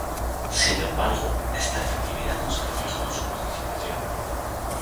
Sin embargo, esta efectividad no se reflejó en su participación.